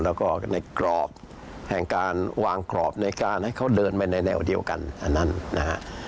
แล้วก็ในกรอบแห่งการวางกรอบในการให้เขาเดินไปในแนวเดียวกันอันนั้นนะฮะ